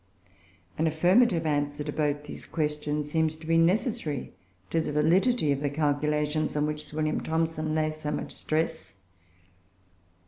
An affirmative answer to both these questions seems to be necessary to the validity of the calculations on which Sir W. Thomson lays so much stress.